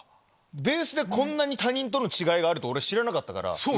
ベースでこんなに他人との違いがあるって知らなかった。